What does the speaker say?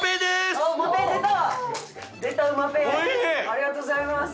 ありがとうございます。